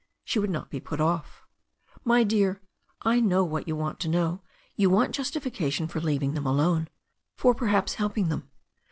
She would not be put off." "My dear, I know what you want to know. You want justification for leaving them alone, for perhaps helping them.